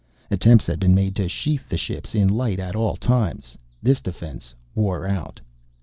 Attempts had been made to sheath the ships in light at all times. This defense wore out.